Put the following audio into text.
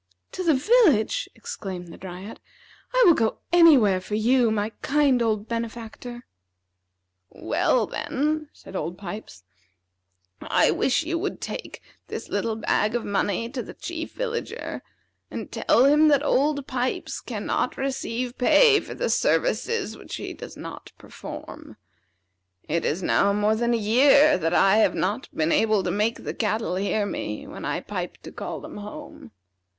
"To the village!" exclaimed the Dryad. "I will go anywhere for you, my kind old benefactor." "Well, then," said Old Pipes, "I wish you would take this little bag of money to the Chief Villager and tell him that Old Pipes cannot receive pay for the services which he does not perform. It is now more than a year that I have not been able to make the cattle hear me, when I piped to call them home.